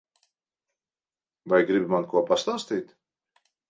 Vai gribi man ko pastāstīt?